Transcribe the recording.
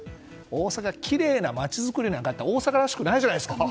大阪、きれいなまちづくりなんか大阪らしくないじゃないですか。